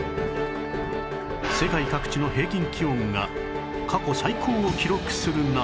世界各地の平均気温が過去最高を記録するなど